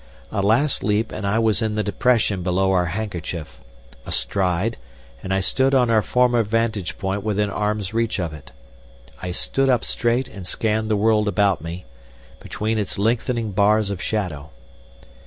A last leap and I was in the depression below our handkerchief, a stride, and I stood on our former vantage point within arms' reach of it. I stood up straight and scanned the world about me, between its lengthening bars of shadow.